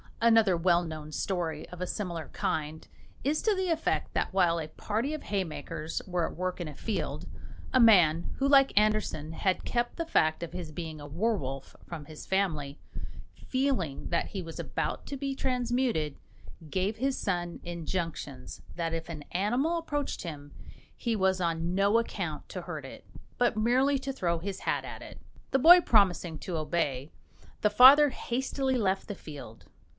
Another well known story, of a similar kind, is to the effect that while a party of haymakers were at work in a field, a man, who, like Andersen, had kept the fact of his being a werwolf from his family, feeling that he was about to be transmuted, gave his son injunctions that if an animal approached him he was on no account to hurt it, but merely to throw his hat at it. The boy promising to obey, the father hastily left the field.